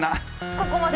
ここまでで。